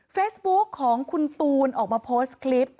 เฟซบุ๊คของคุณตูนออกมาโพสต์คลิป